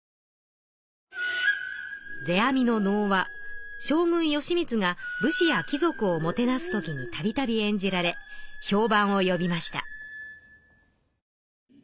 世阿弥の能は将軍義満が武士や貴族をもてなす時に度々演じられ評判をよびました。